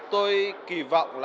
tôi sẽ giúp các bạn học sinh